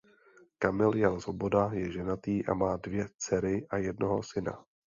Kamil Jan Svoboda je ženatý a má dvě dcery a jednoho syna.